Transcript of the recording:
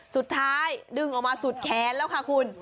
สุดท้ายดึงออกมาสุดแขนแล้วค่ะคุณ